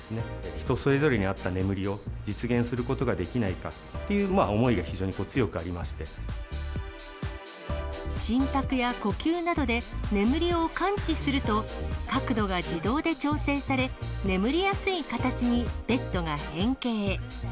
人それぞれに合った眠りを実現することができないかっていう思い心拍や呼吸などで、眠りを感知すると、角度が自動で調整され、眠りやすい形にベッドが変形。